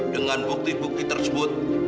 dengan bukti bukti tersebut